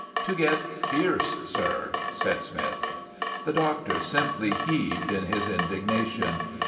"To get fierce, sir," said Smythe. The Doctor simply heaved in his indignation.